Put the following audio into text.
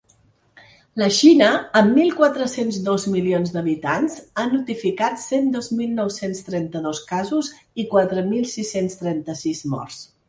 La Xina, amb mil quatre-cents dos milions d’habitants, ha notificat cent dos mil nou-cents trenta-dos casos i quatre mil sis-cents trenta-sis morts.